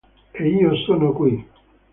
E io sono qui.